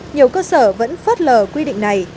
nhiều cơ sở vẫn phát lờ quy định này